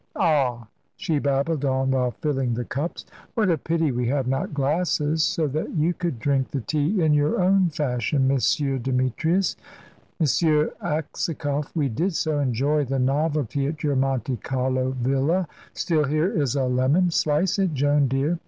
Ah!" she babbled on, while filling the cups "What a pity we have not glasses, so that you could drink the tea in your own fashion, M. Demetrius. M. Aksakoff, we did so enjoy the novelty at your Monte Carlo villa. Still, here is a lemon; slice it, Joan, dear.